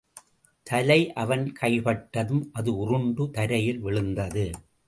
தலை அவன் கைப்பட்டதும் அது உருண்டு தரையில் விழுந்தது.